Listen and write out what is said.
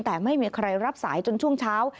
แต่ไม่มีใครรับสายจนช่วงเช้า